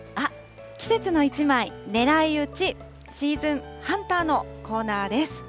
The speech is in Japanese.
季節の１枚、ねらいうちシーズンハンターのコーナーです。